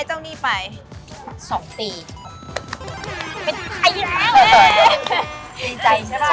ยังอยากใช่ป่ะ